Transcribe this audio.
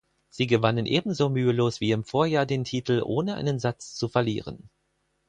Sie gewannen ebenso mühelos wie im Vorjahr den Titel ohne einen Satz zu verlieren.